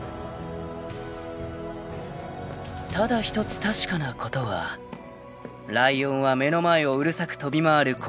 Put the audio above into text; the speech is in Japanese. ［ただ一つ確かなことはライオンは目の前をうるさく飛び回る小バエを］